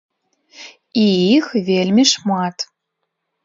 І іх вельмі шмат.